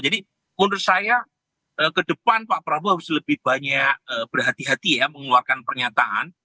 jadi menurut saya ke depan pak prabowo harus lebih banyak berhati hati ya mengeluarkan pernyataan